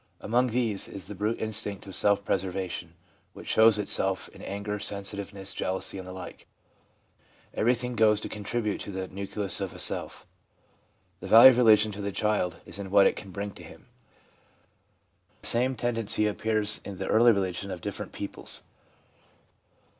Among these is the brute instinct of self preservation, which shows itself in anger, sensitiveness, jealousy, and the like. Every thing goes to contribute to the nucleus of a self. The value of religion to the child is in what it can bring to him. The same tendency appears in the early religion of different peoples.